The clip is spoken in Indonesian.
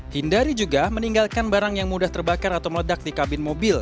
hindari juga meninggalkan barang yang mudah terbakar atau meledak di kabin mobil